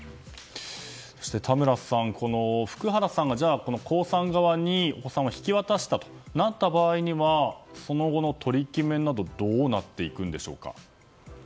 そして田村さん福原さんが、江さん側にお子さんを引き渡したとなった場合にはその後の取り決めなどはどうなっていくんでしょうか？